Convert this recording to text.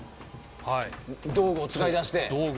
道具を使い出して。